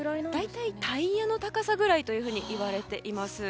大体タイヤの高さぐらいといわれています。